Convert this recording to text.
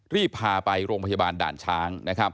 รีบพาไปโรงพยาบาลด่านช้าง